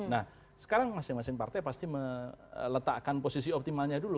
nah sekarang masing masing partai pasti meletakkan posisi optimalnya dulu